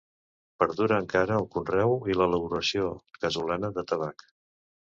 Perdura encara el conreu i l'elaboració casolana de tabac.